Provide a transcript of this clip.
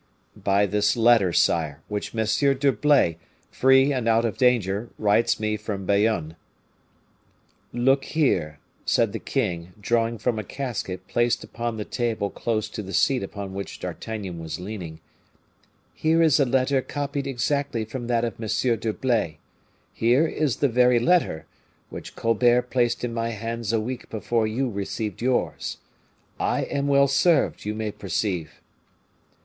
"By this letter, sire, which M. d'Herblay, free and out of danger, writes me from Bayonne." "Look here," said the king, drawing from a casket placed upon the table closet to the seat upon which D'Artagnan was leaning, "here is a letter copied exactly from that of M. d'Herblay. Here is the very letter, which Colbert placed in my hands a week before you received yours. I am well served, you may perceive."